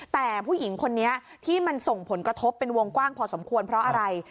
แต่ผู้หญิงคนนี้ที่มันส่งผลกระทบเป็นวงกว้างพอสมควรเพราะอะไร